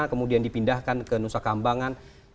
kemudian dipindahkan ke nusa kambangan